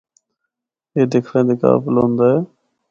اے دکھنڑے دے قابل ہوندا ہے۔